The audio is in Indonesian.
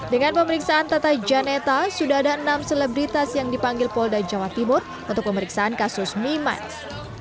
sejak penerbitan internet sudah ada enam selebritas yang dipanggil polda jawa timur untuk pemeriksaan kasus memiles